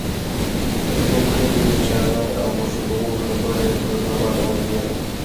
د ټول کلي د چاړه او غوښه کولو خبره یې پر زړه بد ولګېده.